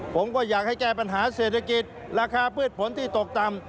ผมก็อยากให้แก้ปัญหาเศรษฐกิจราคาพืชผลที่ตกต่ำ